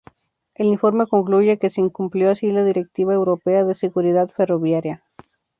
El informe concluye que se incumplió así la Directiva Europea de Seguridad Ferroviaria.